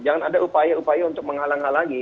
jangan ada upaya upaya untuk menghalang halangi